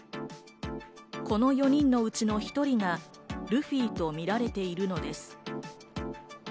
この４人のうちの１人がルフィと見られているのです。